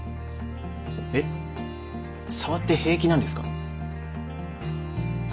えっ触って平気なんですか？